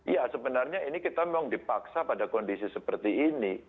ya sebenarnya ini kita memang dipaksa pada kondisi seperti ini